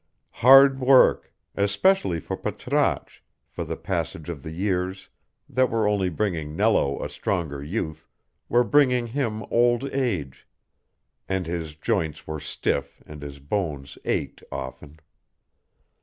Hard work, especially for Patrasche, for the passage of the years, that were only bringing Nello a stronger youth, were bringing him old age, and his joints were stiff and his bones ached often.